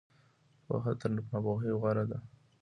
پوهه تر ناپوهۍ غوره ده.